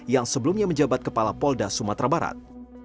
yang sebelumnya menjabat kepala polda sumatera barat